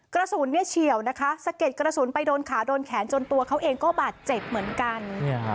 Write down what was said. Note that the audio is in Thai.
กระสุนเนี่ยเฉียวนะคะสะเก็ดกระสุนไปโดนขาโดนแขนจนตัวเขาเองก็บาดเจ็บเหมือนกัน